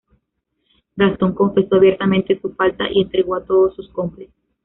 Gastón confesó abiertamente su falta y entregó a todos sus cómplices.